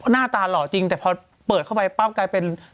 หน้าตาหล่อจริงแต่พอเปิดเข้าไปปั๊บกลายเป็น